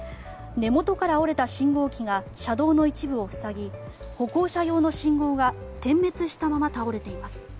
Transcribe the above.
根元から折れた信号機が車道の一部を塞ぎ歩行者用の信号が点滅したまま倒れています。